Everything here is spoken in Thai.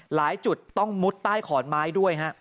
หลายจุดต้องมุดใต้ขอนไม้ด้วยฮะ